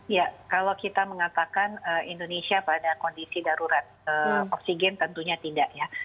ya kalau kita mengatakan indonesia pada kondisi darurat oksigen tentunya tidak ya